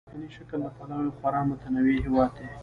افغانستان د ځمکني شکل له پلوه یو خورا متنوع هېواد دی.